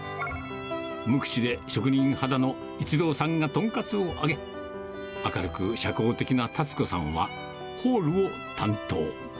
無口で職人肌の逸郎さんが豚カツを揚げ、明るく社交的なたつ子さんは、ホールを担当。